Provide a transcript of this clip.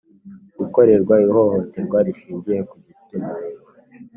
Gukorerwa ihohoterwa rishingiye ku gitsina